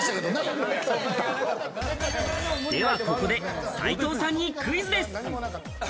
ではここで、斉藤さんにクイズです。